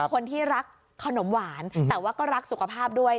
คนที่รักขนมหวานแต่ว่าก็รักสุขภาพด้วย